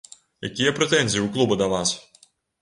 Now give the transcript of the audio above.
Якія прэтэнзіі у клуба да вас?